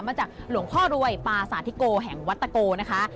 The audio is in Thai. มาจากหลวงพ่อรวยปาสาธิโกแห่งวัตโกนะคะ